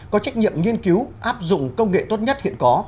có trách nhiệm nghiên cứu áp dụng công nghệ tốt nhất hiện có